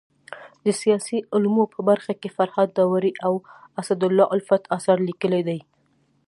د سیاسي علومو په برخه کي فرهاد داوري او اسدالله الفت اثار ليکلي دي.